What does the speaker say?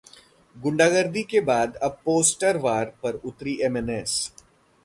गुंडागर्दी के बाद अब पोस्टरवार पर उतरी एमएनएस